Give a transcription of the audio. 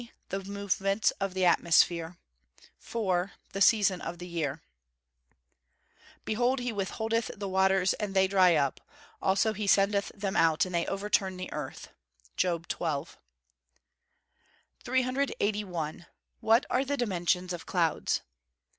The movements of the atmosphere. 4. The season of the year. [Verse: "Behold, he withholdeth the waters, and they dry up; also he sendeth them out, and they overturn the earth." JOB XII.] 381. _What are the dimensions of clouds?